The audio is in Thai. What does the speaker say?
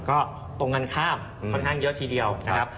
ก็ตรงกันข้ามค่อนข้างเยอะทีเดียวนะครับ